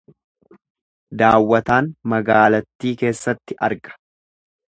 Daawwataan magaalattii keessatti arga.